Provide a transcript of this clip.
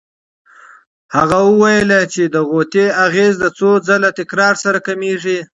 هغه وویل چې د غوطې اغېز د څو ځله تکرار سره کمېږي.